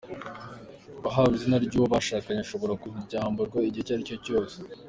Uwahawe izina ry’uwo bashakanye ashobora kuryamburwa igihe icyo ari cyose.